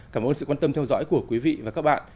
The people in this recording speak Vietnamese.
cảm ơn sự quan tâm theo dõi của quý vị và các bạn